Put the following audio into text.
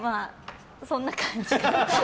そんな感じ。